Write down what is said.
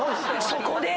「そこで？」